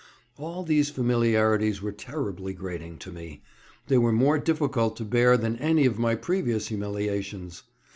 All these familiarities were terribly grating to me; they were more difficult to bear than any of my previous humiliations.